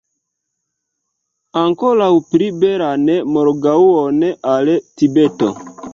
Ankoraŭ pli belan morgaŭon al Tibeto!